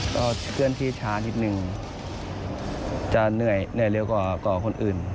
เราเคลื่อนที่ช้านิดนึง่่าจะเหนื่อยกว่าคนอื่น